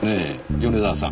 米沢さん。